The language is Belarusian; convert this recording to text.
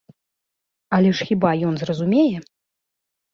Але ж хіба ён зразумее?